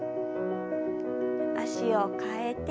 脚を替えて。